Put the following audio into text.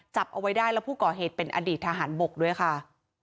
จับเอาไว้ได้แล้วผู้ก่อเหตุเป็นอดีตทหารบกด้วยค่ะ